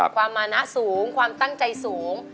ความมานะสูงความตั้งใจสูง